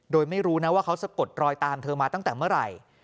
โดยไม่รู้นะว่าเขาสะกดรอยตามเธอมาตั้งแต่เมื่อไหร่